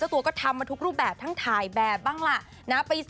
ตัวก็ทำมาทุกรูปแบบทั้งถ่ายแบบบ้างล่ะนะ